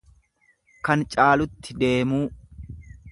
Kan caalutti deemuu.